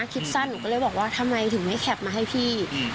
คิดสั้นหนูก็เลยบอกว่าทำไมถึงไม่แคปมาให้พี่